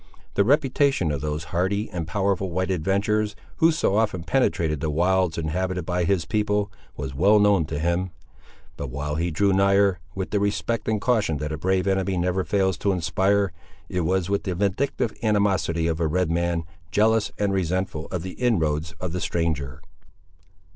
The reputation of those hardy and powerful white adventurers, who so often penetrated the wilds inhabited by his people, was well known to him; but while he drew nigher, with the respect and caution that a brave enemy never fails to inspire, it was with the vindictive animosity of a red man, jealous and resentful of the inroads of the stranger.